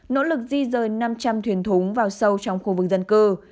nỗ lực di rời năm trăm linh thuyền thúng vào sâu trong khu vực dân cư